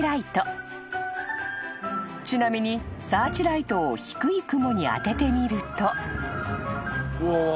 ［ちなみにサーチライトを低い雲に当ててみると］